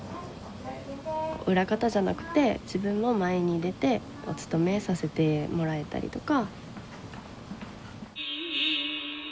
裏方じゃなくて自分も前に出てお勤めさせてもらえたりとか。